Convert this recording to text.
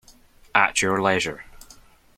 At your leisure.